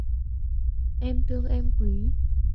Em thương em quý